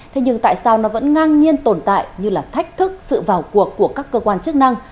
thế nhưng tại sao nó vẫn ngang nhiên tồn tại như là thách thức sự vào cuộc của các cơ quan chức năng